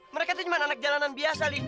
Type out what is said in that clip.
mereka itu cuma anak jalanan biasa